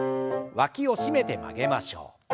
わきを締めて曲げましょう。